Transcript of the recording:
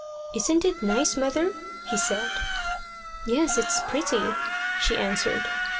"Isn't it nice, mother?" he said. "Yes, it's pretty," she answered.